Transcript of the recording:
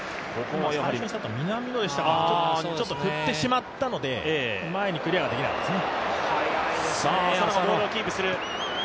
ちょっと振ってしまったので前にクリアできなかったですね。